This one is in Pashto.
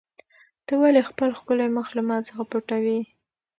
ته ولې خپل ښکلی مخ له ما څخه پټوې؟